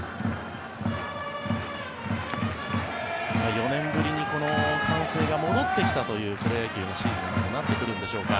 ４年ぶりにこの歓声が戻ってきたというプロ野球のシーズンにもなってくるんでしょうか。